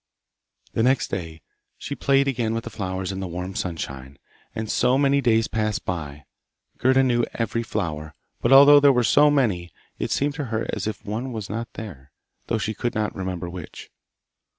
The next day she played again with the flowers in the warm sunshine, and so many days passed by. Gerda knew every flower, but although there were so many, it seemed to her as if one were not there, though she could not remember which.